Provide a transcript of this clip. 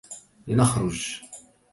لنخرج.